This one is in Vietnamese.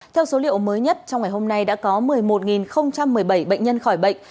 theo số liệu mới nhất trong ngày hôm nay đã có một mươi một một mươi bảy bệnh nhân khỏi bệnh